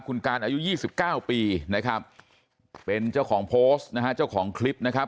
คุณการอายุ๒๙ปีนะครับเป็นเจ้าของโพสต์นะฮะเจ้าของคลิปนะครับ